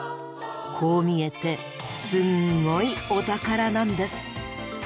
こう見えてすんごいお宝なんです。